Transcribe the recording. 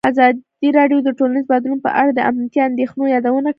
ازادي راډیو د ټولنیز بدلون په اړه د امنیتي اندېښنو یادونه کړې.